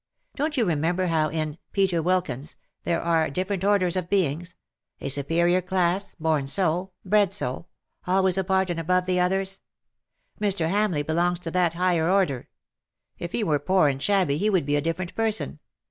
Don't you remember how in " Peter Wilkins " there are different orders of beings — a superior class — born so, bred so — always apart and above the others. JMr. Hamleigh belongs to that higher order. If he were poor and shabby he would be a different person.